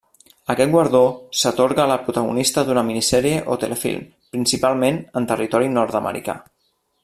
Aquest guardó s'atorga a la protagonista d'una minisèrie o telefilm, principalment en territori nord-americà.